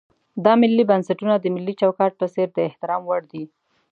دا ملي بنسټونه د ملي چوکاټ په څېر د احترام وړ دي.